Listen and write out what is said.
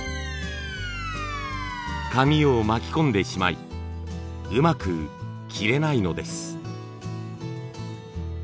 紙を巻き込んでしまいうまく切れないのです。